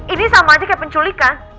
ini sama aja kayak penculikan